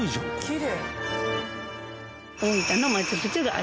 きれい。